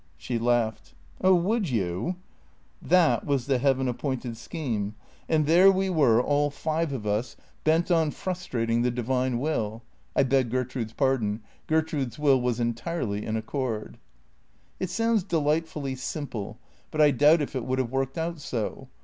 She laughed. " Oh, would you !"" That was the heaven appointed scheme. And there we were, 470 THECEEATORS all five of us, bent on frustrating the divine will — I beg Ger trude's pardon — Gertrude's will was entirely in accord." " It sounds delightfully simple, but I doubt if it would have worked out so.